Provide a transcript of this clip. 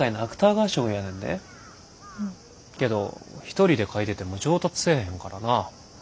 けど一人で書いてても上達せえへんからなぁ。